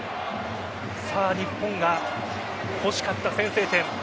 日本が欲しかった先制点。